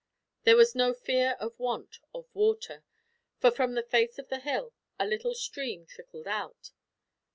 There was no fear of want of water, for from the face of the hill a little stream trickled out.